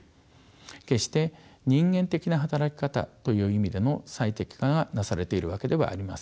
決して人間的な働き方という意味での最適化がなされているわけではありません。